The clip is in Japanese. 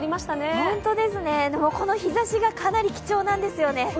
この日ざしがかなり貴重なんですよね。